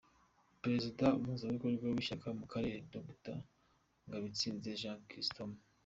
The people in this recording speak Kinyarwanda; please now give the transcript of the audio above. Perezida, umuhuzabikorwa w’Ishyaka mu Karere : Dr Ngabitsinze Jean Chrysostome.